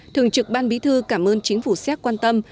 thường trực ban bí thư cảm ơn chính phủ xéc quan tâm